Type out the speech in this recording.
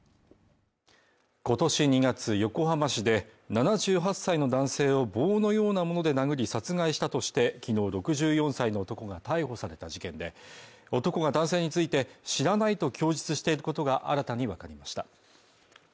今年２月横浜市で７８歳の男性を棒のようなもので殴り殺害したとして、きのう６４歳の男が逮捕された事件で、男が男性について知らないと供述していることが新たにわかりました。